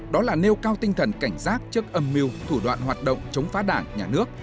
đó là nêu cao tinh thần cảnh giác trước âm mưu thủ đoạn hoạt động chống phá đảng nhà nước